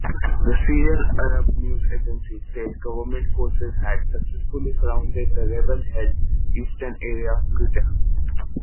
The Syrian Arab News Agency said government forces had successfully surrounded the rebel-held eastern area of Guta.